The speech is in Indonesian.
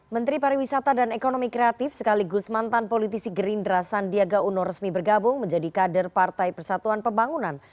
menteri pariwisata dan ekonomi kreatif sekaligus mantan politisi gerindra sandiaga uno resmi bergabung menjadi kader partai persatuan pembangunan